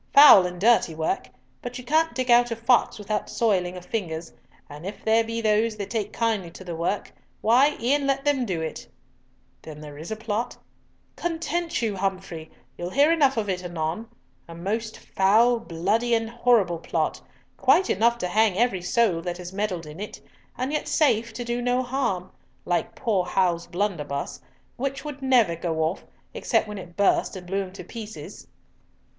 Foul and dirty work, but you can't dig out a fox without soiling of fingers, and if there be those that take kindly to the work, why, e'en let them do it." "Then there is a plot?" "Content you, Humfrey! You'll hear enough of it anon. A most foul, bloody, and horrible plot, quite enough to hang every soul that has meddled in it, and yet safe to do no harm—like poor Hal's blunderbuss, which would never go off, except when it burst, and blew him to pieces."